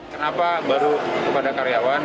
kenapa baru kepada karyawan